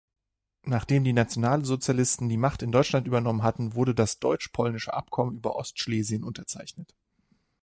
Nachdem die Nationalsozialisten die Macht in Deutschland übernommen hatten, wurde das "!Deutsch-Polnische Abkommen über Ostschlesien" unterzeichnet.